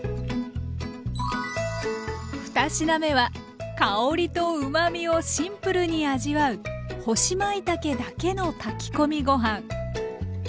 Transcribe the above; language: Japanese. ２品目は香りとうまみをシンプルに味わう干しまいたけだけの炊き込みご飯。